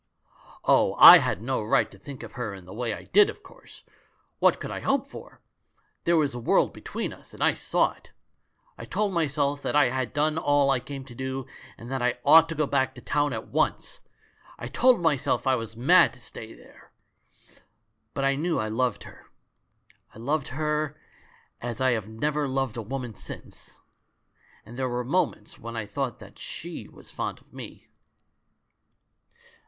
"Oh, I had no right to think of her in the way I did, of course ! What could I hope for ? There was a world between us, and I saw it. I told myself that I had done all I came to do, and that I ought to go back to town at once! I told myself I was mad to stay there. But I knew I loved her. I loved her as I have never loved a woman since — and there were moments when I thought that she was fond of m^."